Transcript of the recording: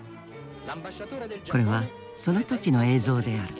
これはその時の映像である。